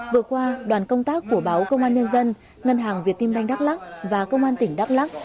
vừa qua đoàn công tác của báo công an nhân dân ngân hàng việt tiên banh đắk lắc và công an tỉnh đắk lắc